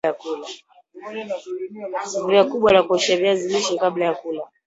sufuria kubwa la kuoshea viazi lishe kabla ya kula